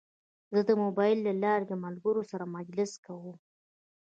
زه د موبایل له لارې د ملګرو سره مجلس کوم.